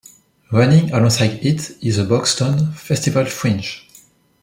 Running alongside it is the Buxton Festival Fringe.